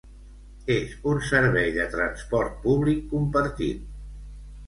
És un servei de transport públic compartit